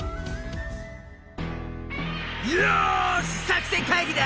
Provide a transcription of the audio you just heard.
よし作戦会議だ！